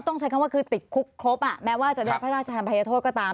ต้องใช้คำว่าติดคุกครบอ่ะแม้ว่าจะเรียกว่าพระธรรมพญาโทษก็ตาม